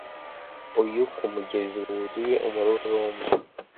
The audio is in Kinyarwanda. uyu kumugezi wuzuye umururumba